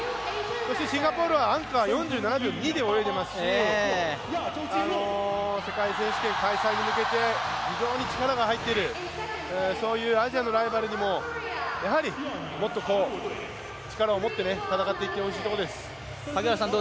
そしてシンガポールはアンカーが４７秒２で泳いでますし世界選手権開催に向けて非常に力が入っているそういうアジアのライバルにももっと力を持って戦っていってほしいところです。